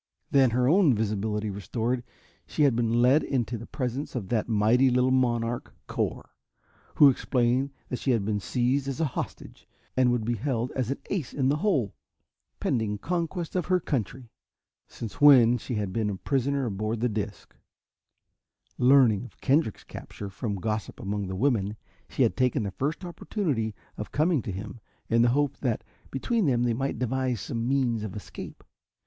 Then, her own visibility restored, she had been led into the presence of that mighty little monarch, Cor, who explained that she had been seized as a hostage and would be held as an ace in the hole, pending conquest of her country. Since when she had been a prisoner aboard the disc. Learning of Kendrick's capture, from gossip among the women, she had taken the first opportunity of coming to him, in the hope that between them they might devise some means of escape.